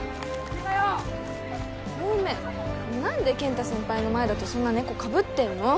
小梅何で健太先輩の前だとそんな猫かぶってんの？